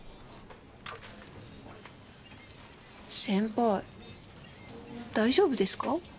先輩大丈夫ですか？